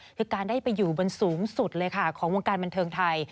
คือการได้ไปอยู่บนสูงสุดเลยค่ะของวงการบันเทิงไทย